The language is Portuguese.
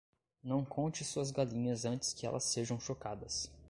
Não conte suas galinhas antes que elas sejam chocadas.